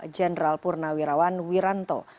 jenderal purnawirawan wiranto